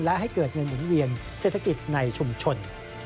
และให้เกิดเงินหมุนเวียนเศรษฐกิจในชุมชน